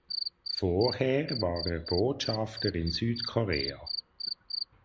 Vorher war er Botschafter in Südkorea.